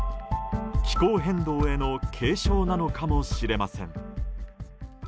気候変動への警鐘なのかもしれません。